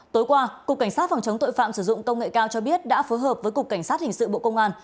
tối qua cục cảnh sát phòng chống tội phạm sử dụng công nghệ cao cho biết đã phối hợp với cục cảnh sát hình sự bộ công an